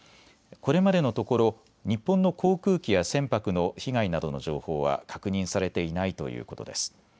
これまでのところ日本の航空機や船舶の被害などの情報は確認されていないということです。